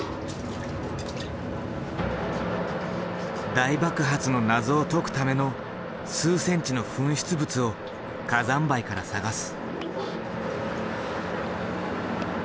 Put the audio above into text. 大爆発の謎を解くための数センチの噴出物を火山灰から探す。